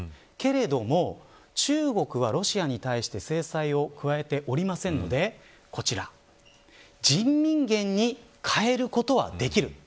けれども中国はロシアに対して制裁を加えていませんので人民元に変えることはできる。